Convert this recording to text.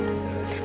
begitu ya mbak